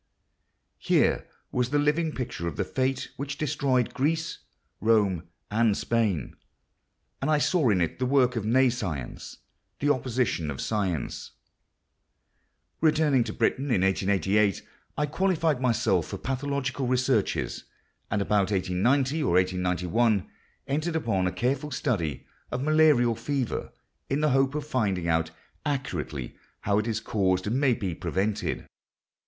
Here was the living picture of the fate which destroyed Greece, Rome, and Spain; and I saw in it the work of nescience—the opposite of science. ... Returning to Britain in 1888, I qualified myself for pathological researches, and about 1890 or 1891 entered upon a careful study of malarial fever, in the hope of finding out accurately how it is caused and may be prevented.